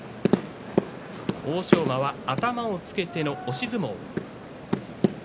欧勝馬は頭をつけての押し相撲。